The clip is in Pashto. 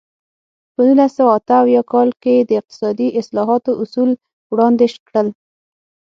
په نولس سوه اته اویا کال کې د اقتصادي اصلاحاتو اصول وړاندې کړل.